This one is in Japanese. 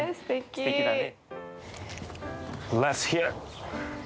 すてきだね。